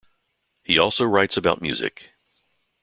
He also writes about music.